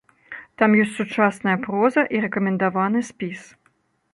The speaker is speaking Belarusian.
Там ёсць сучасная проза і рэкамендаваны спіс.